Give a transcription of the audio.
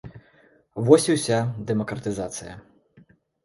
Вось і ўся дэмакратызацыя.